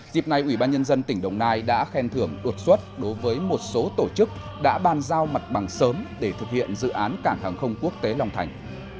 dịp này ủy ban nhân dân tỉnh đồng nai đã khen thưởng đột xuất đối với một số tổ chức đã bàn giao mặt bằng sớm để thực hiện dự án cảng hàng không quốc tế long thành